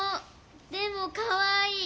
でもかわいい！